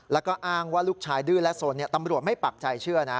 แล้วก็อ้างว่าลูกชายดื้อและสนตำรวจไม่ปักใจเชื่อนะ